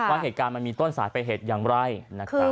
ว่าเหตุการณ์มันมีต้นสายไปเหตุอย่างไรนะครับ